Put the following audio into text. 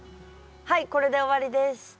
はいこれで終わりです。